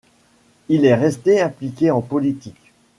Il est resté impliqué en politique.